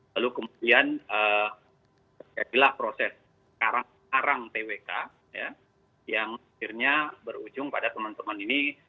lalu kemudian inilah proses karang karang twk yang akhirnya berujung pada teman teman ini